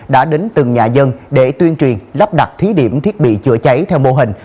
đã đến từng nhà dân để tuyên truyền lắp đặt thí điểm thiết bị chữa cháy theo mô hình